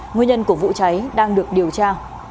nguyên nhân của vụ cháy đang được điều tra